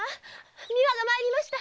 美和が参りました。